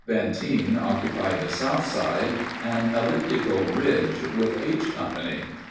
Benteen occupied the south side, an elliptical ridge, with H Company.